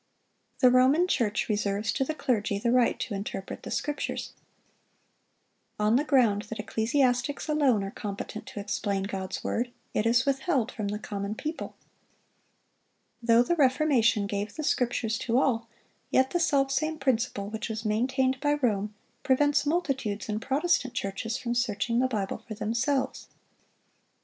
The Roman Church reserves to the clergy the right to interpret the Scriptures. On the ground that ecclesiastics alone are competent to explain God's word, it is withheld from the common people. Though the Reformation gave the Scriptures to all, yet the selfsame principle which was maintained by Rome prevents multitudes in Protestant churches from searching the Bible for themselves.